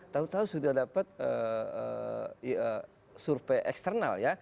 tahu tahu sudah dapat survei eksternal ya